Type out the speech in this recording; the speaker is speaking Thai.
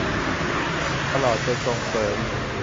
ตลอดจนส่งเสริม